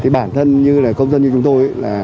bản thân công dân như chúng tôi